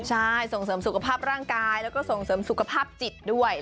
ใช่ส่งเสริมสุขภาพร่างกายแล้วก็ส่งเสริมสุขภาพจิตด้วย